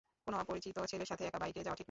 কোনো অপরিচিত ছেলের সাথে একা বাইকে যাওয়া ঠিক না।